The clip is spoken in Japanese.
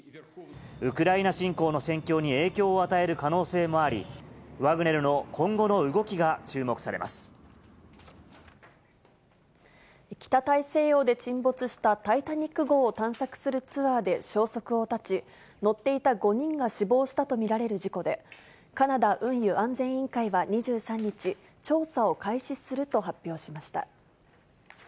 ウクライナ侵攻の戦況に影響を与える可能性もあり、ワグネルの今北大西洋で沈没したタイタニック号を探索するツアーで消息を絶ち、乗っていた５人が死亡したと見られる事故で、カナダ運輸安全委員会は２３日、調査を開始すると発表しました。